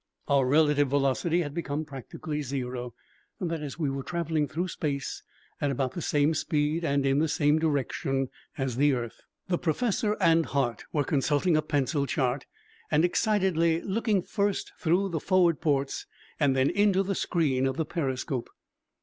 Our relative velocity had become practically zero; that is, we were traveling through space at about the same speed and in the same direction as the earth. The professor and Hart were consulting a pencil chart and excitedly looking first through the forward ports and then into the screen of the periscope.